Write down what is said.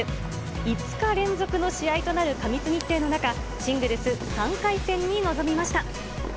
５日連続の試合となる過密日程の中、シングルス３回戦に臨みました。